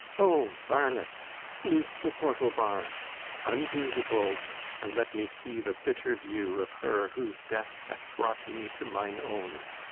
Ho, varlets, loose the portal bars; undo The bolts; and let me see the bitter view Of her whose death hath brought me to mine own.